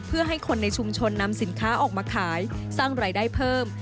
เพื่อให้คนในชุมชนนำสินค้าออกมาขายสร้างรายได้เพิ่ม